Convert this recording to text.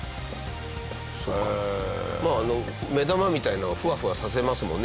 まああの目玉みたいなのをふわふわさせますもんね